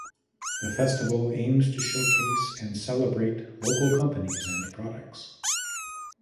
The festival aims to showcase and celebrate local companies and products.